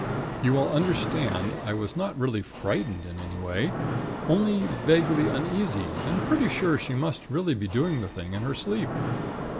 You will understand I was not really frightened in any way; only vaguely uneasy, and pretty sure she must really be doing the thing in her sleep.